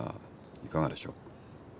いかがでしょう？